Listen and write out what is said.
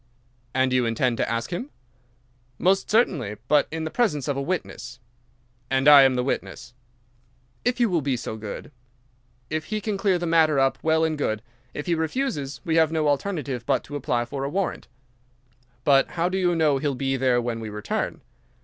"And you intend to ask him?" "Most certainly—but in the presence of a witness." "And I am the witness?" "If you will be so good. If he can clear the matter up, well and good. If he refuses, we have no alternative but to apply for a warrant." "But how do you know he'll be there when we return?"